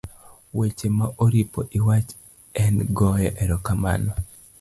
weche ma oripo iwach en goyo erokamano,